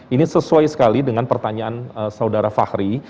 ini sesuai sekali dengan pertanyaan saudara fahri